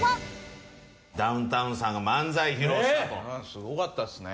すごかったっすね。